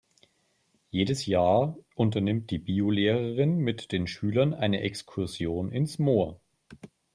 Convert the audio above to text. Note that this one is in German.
Jedes Jahr unternimmt die Biolehrerin mit den Schülern eine Exkursion ins Moor.